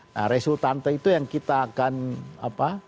nah resultante itu yang kita akan apa